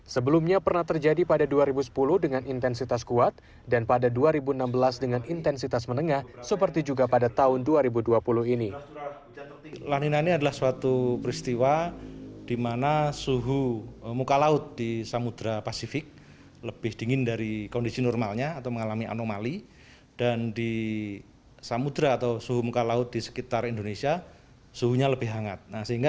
sebelumnya pernah terjadi pada dua ribu sepuluh dengan intensitas kuat dan pada dua ribu enam belas dengan intensitas menengah seperti juga pada tahun dua ribu dua puluh ini